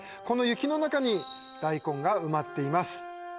この雪の中に大根が埋まっています